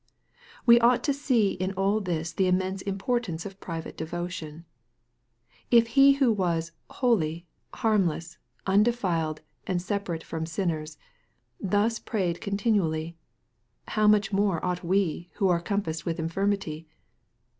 We ought to see in all this the immense importance of private devotion. If He who was " holy, harmless, undefiled, and separate from sinners," thus prayed con tinually, how much more ought we who are compassed with infirmity